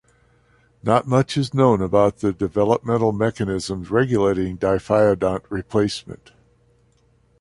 Not much is known about the developmental mechanisms regulating diphyodont replacement.